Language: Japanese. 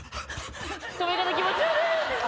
止め方気持ち悪い！